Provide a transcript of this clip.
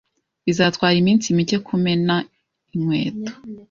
Bizatwara iminsi mike kumena inkweto.